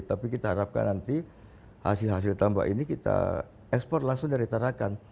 tapi kita harapkan nanti hasil hasil tambak ini kita ekspor langsung dari tarakan